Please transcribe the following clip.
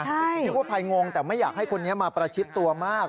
คิดว่าภัยงงแต่ไม่อยากให้คนนี้มาประชิดตัวมาก